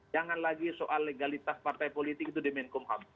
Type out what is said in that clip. jangan lagi soal legalitas partai politik itu demen kumham